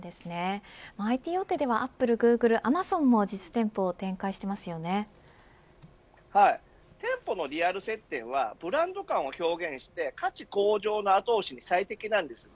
ＩＴ大手ではアップル、グーグル、アマゾンも店舗のリアル接点はブランド観を表現して価値向上の後押しに最適です。